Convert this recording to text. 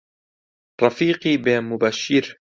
ڕەفیقی بێ موبەشیر